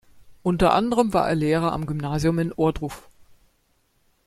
Unter anderem war er Lehrer am Gymnasium in Ohrdruf.